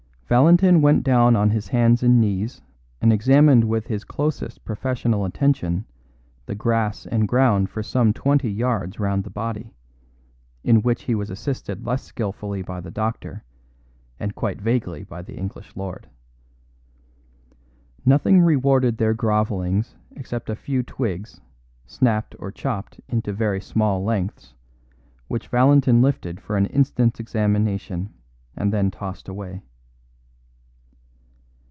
Valentin went down on his hands and knees and examined with his closest professional attention the grass and ground for some twenty yards round the body, in which he was assisted less skillfully by the doctor, and quite vaguely by the English lord. Nothing rewarded their grovellings except a few twigs, snapped or chopped into very small lengths, which Valentin lifted for an instant's examination and then tossed away.